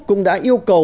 cũng đã yêu cầu